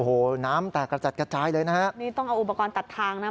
โอ้โหน้ำแตกกระจัดกระจายเลยนะฮะนี่ต้องเอาอุปกรณ์ตัดทางนะ